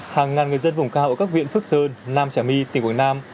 hàng ngàn người dân vùng cao ở các huyện phước sơn nam trà my tỉnh quảng nam